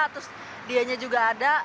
terus dianya juga ada